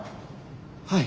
はい。